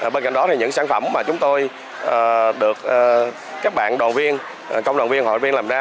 bên cạnh đó những sản phẩm mà chúng tôi được các bạn đoàn viên công đoàn viên hội viên làm ra